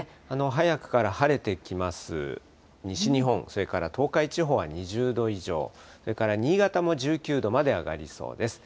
早くから晴れてきます西日本、それから東海地方は２０度以上、それから新潟も１９度まで上がりそうです。